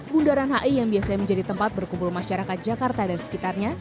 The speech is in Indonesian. bundaran hi yang biasanya menjadi tempat berkumpul masyarakat jakarta dan sekitarnya